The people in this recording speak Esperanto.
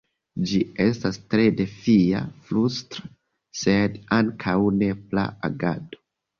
Ĝi estas tre defia, frustra, sed ankaŭ nepra agado.